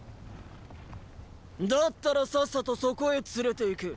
だったらさっさとそこへ連れて行け。